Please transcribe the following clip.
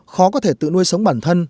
khó có thể tự nuôi sống bản thân